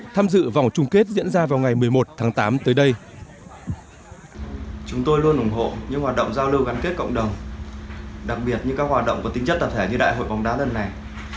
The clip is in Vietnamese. tham dự vòng trung kết diễn ra vào ngày một mươi một tháng tám tới đây